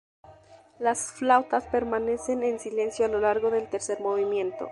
Las flautas permanecen en silencio a lo largo del tercer movimiento.